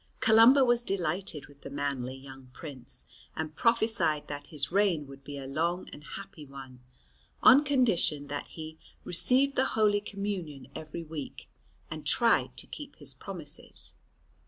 Columba was delighted with the manly young prince, and prophesied that his reign would be a long and happy one, on condition that he "received the Holy Communion every week, and tried to keep his promises."